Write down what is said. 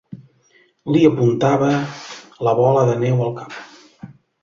Li apuntava la bola de neu al cap.